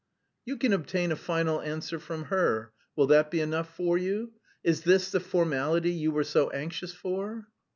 "You can obtain a final answer from her: will that be enough for you? Is this the formality you were so anxious for?"